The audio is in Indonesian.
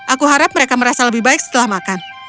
aku harap mereka merasa lebih baik setelah makan